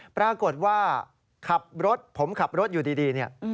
ปรากฏว่าขับรถผมขับรถอยู่ดีเนี่ย